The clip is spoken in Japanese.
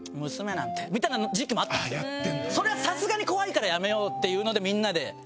最初はちょっとそれはさすがに怖いからやめようっていうのでみんなで。